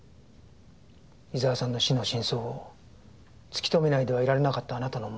伊沢さんの死の真相を突き止めないではいられなかったあなたの思い。